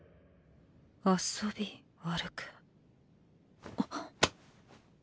遊び歩くっ！